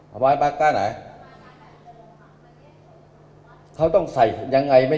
รอบร้อยปากต้านาย